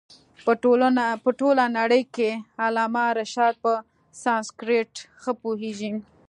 په ټوله نړۍ کښي علامه رشاد په سانسکرېټ ښه پوهيږي.